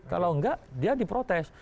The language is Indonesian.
kalau enggak dia diprotes